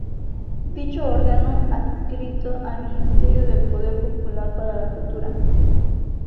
Dicho Órgano Adscrito al Ministerio del Poder Popular para la Cultura.